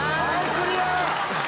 クリア。